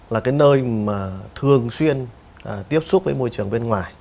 là cái nơi mà thường xuyên tiếp xúc với môi trường bên ngoài